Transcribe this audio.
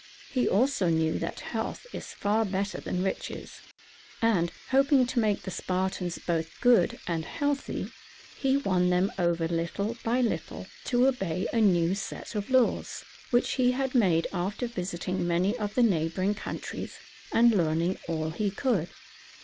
He also knew that health is far better than riches; and, hoping to make the Spartans both good and healthy, he won them over little by little to obey a new set of laws, which he had made after visiting many of the neighboring countries, and learning all he could.